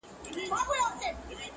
بيا به دا آسمان شاهد وي -